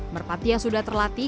merpati yang sudah terlatih